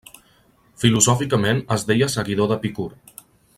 Filosòficament es deia seguidor d'Epicur.